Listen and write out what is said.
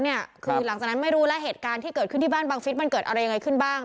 คือหลังจากนั้นไม่รู้แล้วเหตุการณ์ที่เกิดขึ้นที่บ้านบังฟิศมันเกิดอะไรยังไงขึ้นบ้าง